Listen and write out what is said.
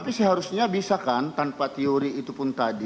tapi seharusnya bisa kan tanpa teori itu pun tadi